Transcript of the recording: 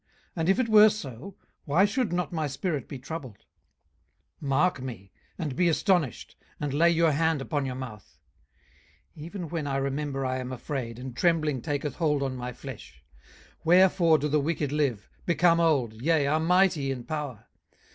and if it were so, why should not my spirit be troubled? 18:021:005 Mark me, and be astonished, and lay your hand upon your mouth. 18:021:006 Even when I remember I am afraid, and trembling taketh hold on my flesh. 18:021:007 Wherefore do the wicked live, become old, yea, are mighty in power?